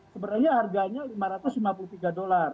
sebenarnya harganya lima ratus lima puluh tiga dolar